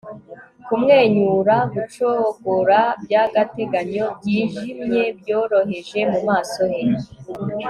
Kumwenyura gucogora byagateganyo byijimye byoroheje mu maso he